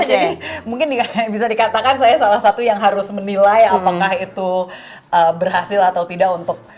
mungkin bisa dikatakan saya salah satu yang harus menilai apakah itu berhasil atau tidak untuk